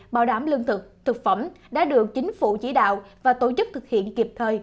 bảo đảm lương thực thực phẩm đã được chính phủ chỉ đạo và tổ chức thực hiện kịp thời